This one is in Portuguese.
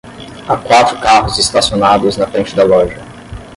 Há quatro carros estacionados na frente da loja.